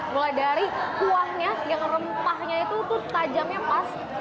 mulai dari kuahnya yang rempahnya itu tajamnya pas